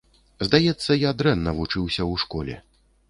Здаецца, я дрэнна вучыўся ў школе.